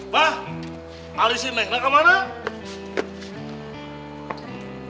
bah nyarisin neng nek kemana